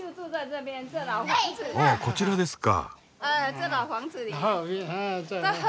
おおこちらですか。